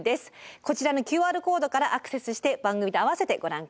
こちらのＱＲコードからアクセスして番組と併せてご覧ください。